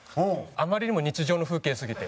あまりにも日常の風景すぎて。